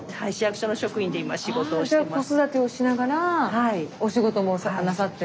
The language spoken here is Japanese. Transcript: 子育てをしながらお仕事もなさって。